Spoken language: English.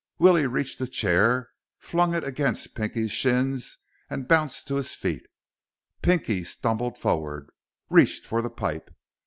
Willie reached a chair, flung it against Pinky's shins, and bounced to his feet. Pinky stumbled forward, reached for the pipe.